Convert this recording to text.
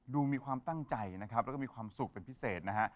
ดูมีความตั้งใจนะครับแล้วก็มิคอมสุขแต่พิเศษนะ